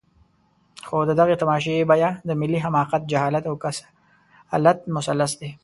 خو د دغې تماشې بیه د ملي حماقت، جهالت او کسالت مثلث دی.